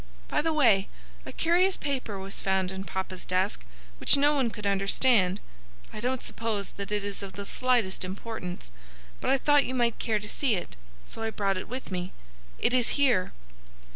By the way, a curious paper was found in papa's desk which no one could understand. I don't suppose that it is of the slightest importance, but I thought you might care to see it, so I brought it with me. It is here."